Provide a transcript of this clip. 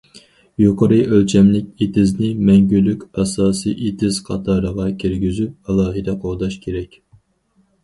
يۇقىرى ئۆلچەملىك ئېتىزنى مەڭگۈلۈك ئاساسىي ئېتىز قاتارىغا كىرگۈزۈپ، ئالاھىدە قوغداش كېرەك.